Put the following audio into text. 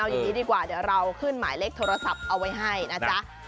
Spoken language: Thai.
อย่างนี้ดีกว่าเดี๋ยวเราขึ้นหมายเลขโทรศัพท์เอาไว้ให้นะจ๊ะ